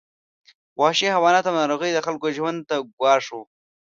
وحشي حیوانات او ناروغۍ د خلکو ژوند ته ګواښ وو.